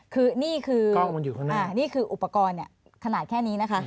คือนี่คือกล้องมันอยู่ข้างหน้าอ่านี่คืออุปกรณ์เนี่ยขนาดแค่นี้นะคะ